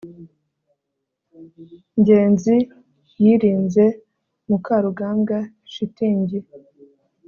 ngenzi yirinze mukarugambwa (shitingi